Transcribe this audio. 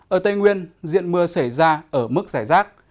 ở tây nguyên diện mưa xảy ra ở mức giải rác